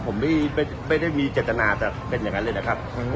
ผมไม่ได้มีจัดจนาจะเป็นอย่างนั้นเลยนะครับผมขอโทษด้วยนะครับ